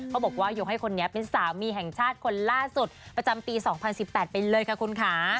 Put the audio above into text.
บอกว่ายกให้คนนี้เป็นสามีแห่งชาติคนล่าสุดประจำปี๒๐๑๘ไปเลยค่ะคุณค่ะ